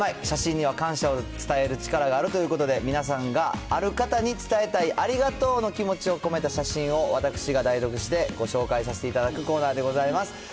写真には感謝を伝える力があるということで、皆さんがある方に伝えたいありがとうの気持ちを込めた写真を、私が代読してご紹介させていただくコーナーでございます。